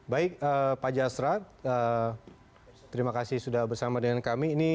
baik pak jasrat terima kasih sudah bersama dengan kami